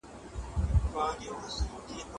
ټولنه له یو پړاو څخه بل ته ځي.